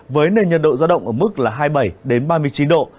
với nền nhiệt độ ra động ở mức hai mươi bảy ba mươi chín độ